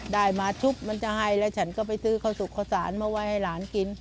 ได้มาชุบมันจะให้แล้วฉันก็ไปซื้อข้าวสุกข้าวสารมาไว้ให้หลานกิน